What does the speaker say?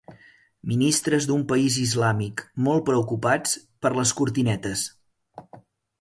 Ministres d'un país islàmic molt preocupats per les cortinetes.